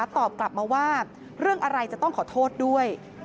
ตอบกลับมาว่าเรื่องอะไรจะต้องขอโทษด้วย